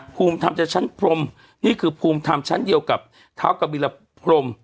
ภูมิทำจากชั้นพรมนี่คือภูมิธรรมชั้นเดียวกับเท้ากบิลพรม